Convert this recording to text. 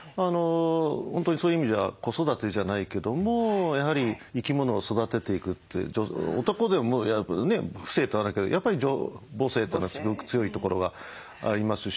本当にそういう意味じゃ子育てじゃないけどもやはり生き物を育てていくって男でもね父性ってあるけどやっぱり母性ってのはすごく強いところがありますし。